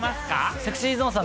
ＳｅｘｙＺｏｎｅさん